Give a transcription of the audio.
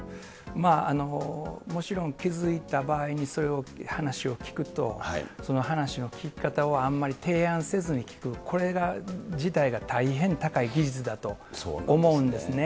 もちろん、気付いた場合にそれを話を聞くと、その話の聞き方はあんまり提案せずに聞く、これ自体が大変高い技術だと思うんですね。